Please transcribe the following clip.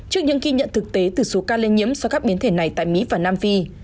trước những khi nhận thực tế từ số ca lên nhiễm so với các biến thể này tại mỹ và nam phi